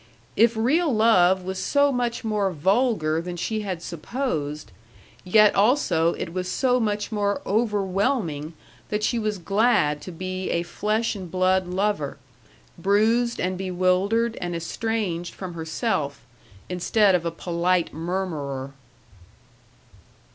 If real love was so much more vulgar than she had supposed, yet also it was so much more overwhelming that she was glad to be a flesh and blood lover, bruised and bewildered and estranged from herself, instead of a polite murmurer.